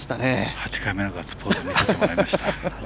８回目のガッツポーズ見せてもらいました。